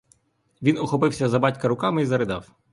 Він ухопився за батька руками й заридав.